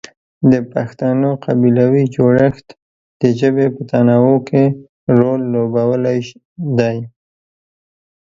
د پښتنو قبیلوي جوړښت د ژبې په تنوع کې رول لوبولی دی.